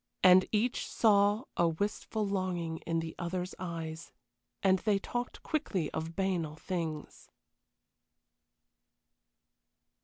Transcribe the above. And each saw a wistful longing in the other's eyes, and they talked quickly of banal things.